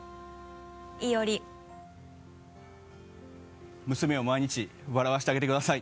「以織」娘を毎日笑わせてあげてください。